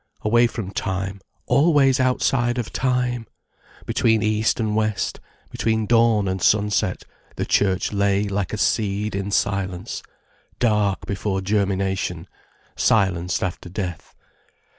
Away from time, always outside of time! Between east and west, between dawn and sunset, the church lay like a seed in silence, dark before germination, silenced after death.